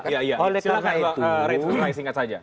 silahkan bang ray singkat saja